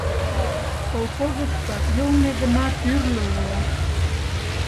Колхозышто йылме гына тӱрлӧ уло.